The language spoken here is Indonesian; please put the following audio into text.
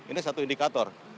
ini satu indikator